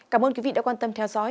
cảm ơn quý vị đã quan tâm theo dõi